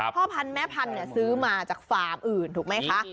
พ่อพันธุ์แม่พันธุ์ซื้อมาจากฟาร์มอื่นถูกไหมคะ